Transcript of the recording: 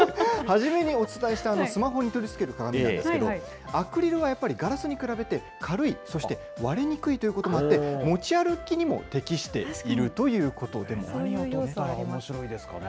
初めにお伝えしたスマホに取り付ける鏡なんですけど、アクリルはやっぱり、ガラスに比べて軽い、そして割れにくいということもあって、持ち歩きにも適しているということです。